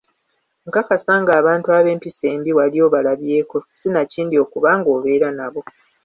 Nkakasa nga abantu ab'empisa embi wali obalabyeko sinakindi okuba nga obeera nabo.